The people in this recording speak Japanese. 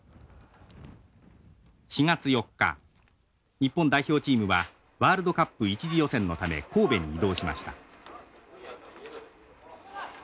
日本代表チームはワールドカップ１次予選のため神戸に移動しました。